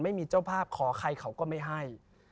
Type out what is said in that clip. ไม่มีเจ้าภาพขอใครเขาก็ไม่ให้